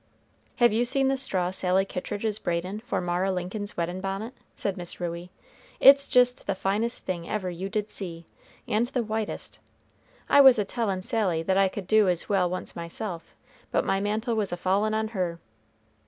"Have you seen the straw Sally Kittridge is braidin' for Mara Lincoln's weddin' bonnet?" said Miss Ruey. "It's jist the finest thing ever you did see, and the whitest. I was a tellin' Sally that I could do as well once myself, but my mantle was a fallin' on her.